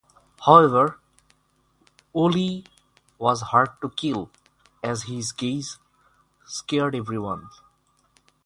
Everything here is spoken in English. However, Ole was hard to kill as his gaze scared everyone.